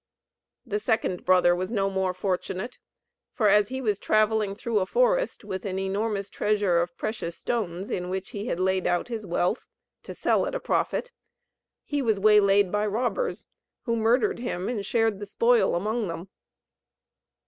The second brother was no more fortunate, for as he was travelling through a forest, with an enormous treasure of precious stones, in which he had laid out his wealth, to sell at a profit, he was waylaid by robbers, who murdered him, and shared the spoil among them.